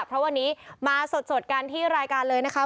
เพราะวันนี้มาสดกันที่รายการเลยนะคะ